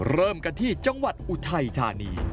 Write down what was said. เริ่มกันที่จังหวัดอุทัยธานี